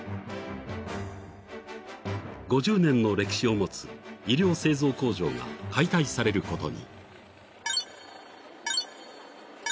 ［５０年の歴史を持つ衣料製造工場が解体されることに］